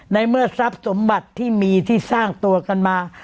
ในเมื่อทรัพย์สมบัติที่มีที่สร้างตัวกันมา